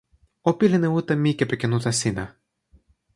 o pilin e uta mi kepeken uta sina.